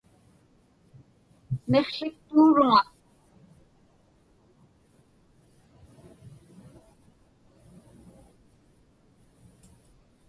Miqłiqtuuruŋa.